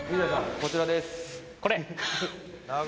こちらですこれ？